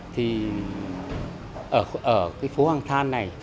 thì ở cái phố hàng thàn này